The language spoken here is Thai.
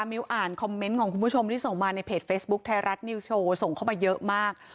มิวอ่านคอมเมนต์ของคุณผู้ชมที่ส่งมาในเพจเฟซบุ๊คไทยรัฐนิวสโชว์ส่งเข้ามาเยอะมาก